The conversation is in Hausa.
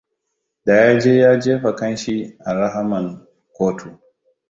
Da ya je ya jefa kanshi a rahaman kotu.